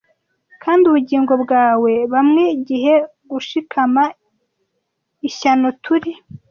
Kandi ubugingo bwawe bamwe gihe gushikama - ishyano turi